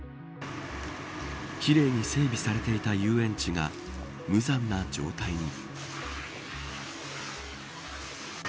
奇麗に整備されていた遊園地が無残な状態に。